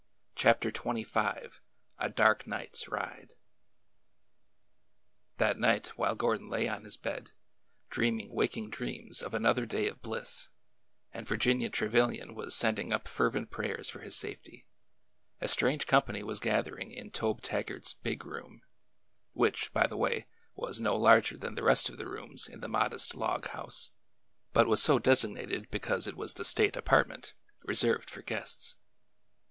CHAPTER XXV A DARK night's RIDE • r^HAT night, while Gordon lay on his bed, dreaming JL waking dreams of another day of bliss, and Vir ginia Trevilian was sending up fervent prayers for his safety, a strange company was gathering in Tobe Tag gart's '' big room,"— which, by the way, was no larger than the rest of the rooms in the modest log house, but was so designated because it was the state apartment, re served for guests.